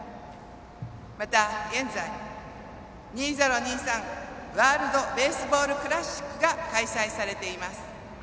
また、現在２０２３ワールド・ベースボール・クラシックが開催されています。